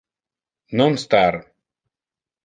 Non star.